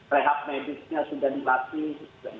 rehab medisnya sudah dilatih